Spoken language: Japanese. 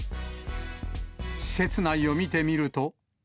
施設内を見てみると。